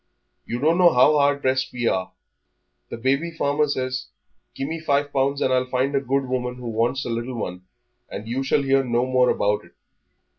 You don't know how hard pressed we are. The baby farmer says, 'Give me five pounds and I'll find a good woman who wants a little one, and you shall hear no more about it.'